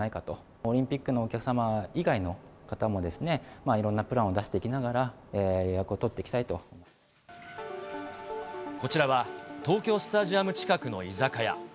オリンピックのお客様以外の方もいろんなプランを出していきながこちらは、東京スタジアム近くの居酒屋。